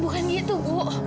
bukan gitu bu